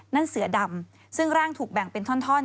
เสือดำซึ่งร่างถูกแบ่งเป็นท่อน